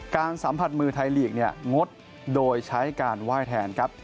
สัมผัสมือไทยลีกเนี่ยงดโดยใช้การไหว้แทนครับ